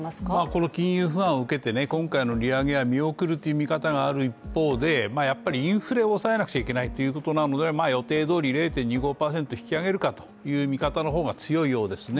この金融不安を受けて今回の利上げは見送るという見方がある一方でやっぱりインフレを抑えなくちゃいけないということなので、予定どおり０．２５％引き上げるかという見方の方が強いようですね。